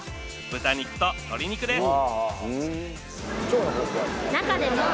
豚肉と鶏肉です